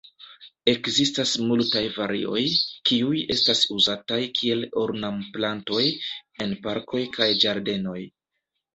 Ekzistas multaj varioj, kiuj estas uzataj kiel ornamplantoj en parkoj kaj ĝardenoj.